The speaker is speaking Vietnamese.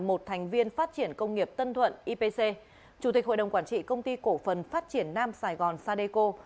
một thành viên phát triển công nghiệp tân thuận ipc chủ tịch hội đồng quản trị công ty cổ phần phát triển nam sài gòn sadeco